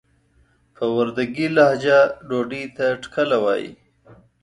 په وردګي لهجه ډوډۍ ته ټکله وايي.